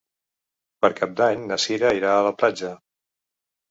Per Cap d'Any na Cira irà a la platja.